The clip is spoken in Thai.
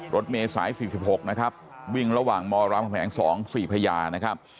รถเมษาย๔๖นะครับวิ่งระหว่างมรแขวงแขวง๒สี่พระยานะครับ